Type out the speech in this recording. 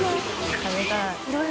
食べたい。